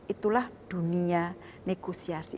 itulah dunia negosiasi